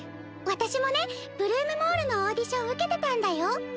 私もね「ブルームボール」のオーディション受けてたんだよ。